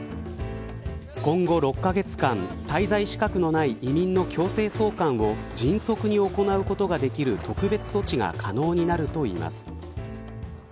今後６カ月間滞在資格のない移民の強制送還を迅速に行うことができる特別措置が可能になるといいます。